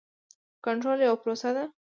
کنټرول یوه پروسه ده.